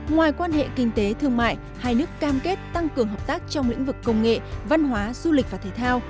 ngoài quan hệ kinh tế thương mại hai nước cam kết tăng cường hợp tác trong lĩnh vực công nghệ văn hóa du lịch và thể thao